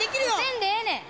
せんでええねん！